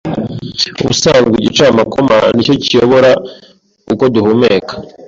Ubusanzwe igicamakoma nicyo kiyobora uko duhumeka